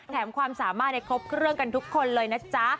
ความสามารถครบเครื่องกันทุกคนเลยนะจ๊ะ